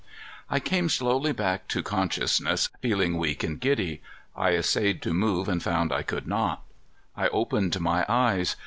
I came slowly back to consciousness, feeling weak and giddy. I essayed to move and found I could not. I opened my eyes.